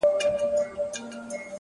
• چي مرور نه یم، چي در پُخلا سم تاته،